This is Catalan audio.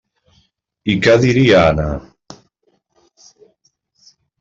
I què diria Anna?